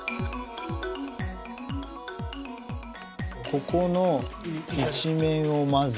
ここの１面をまず。